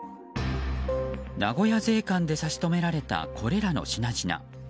名古屋税関で差し止められたこれらの品々。